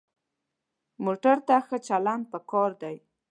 موټر ته ښه چلند پکار دی.